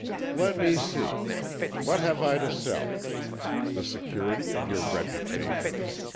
"Let me see. What have I to sell? The security of your reputation?